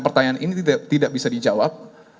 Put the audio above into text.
pertanyaan ini tidak bisa dijawab